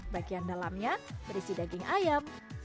bagian dalamnya berisi daging ayam